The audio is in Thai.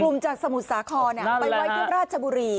จากสมุทรสาครไปไว้ที่ราชบุรี